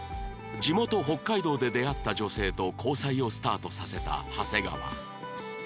地元北海道で出会った女性と交際をスタートさせた長谷川